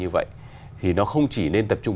như vậy thì nó không chỉ nên tập trung